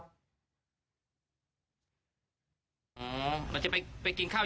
คุณผู้ชมเอ็นดูท่านอ่ะ